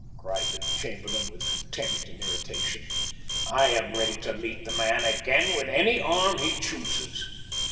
cried the Chamberlain with contempt and irritation. "I am ready to meet the man again with any arm he chooses."